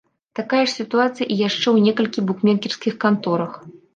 Такая ж сітуацыя і яшчэ ў некалькіх букмекерскіх канторах.